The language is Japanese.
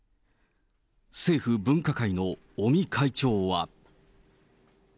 政府分科会の尾身会長は。